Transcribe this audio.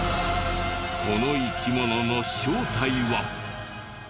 この生き物の正体は。